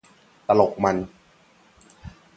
ตลกมัน